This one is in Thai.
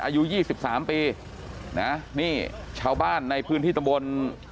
อายุยี่สิบสามปีนะนี่ชาวบ้านในพื้นที่ตำบล